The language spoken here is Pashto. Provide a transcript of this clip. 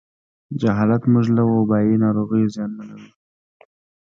جهالت موږ له وبایي ناروغیو زیانمنوي.